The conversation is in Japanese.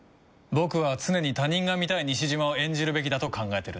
僕は常に他人が見たい西島を演じるべきだと考えてるんだ。